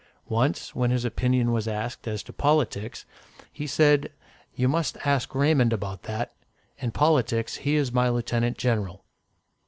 Once, when his opinion was asked as to politics, he said, "You must ask Raymond about that; in politics, he is my lieutenant general."